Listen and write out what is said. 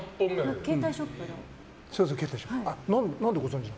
携帯ショップの。